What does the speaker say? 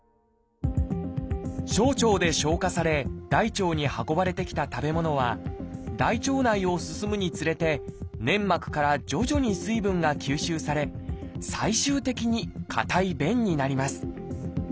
小腸で消化され大腸に運ばれてきた食べ物は大腸内を進むにつれて粘膜から徐々に水分が吸収され最終的に硬い便になります。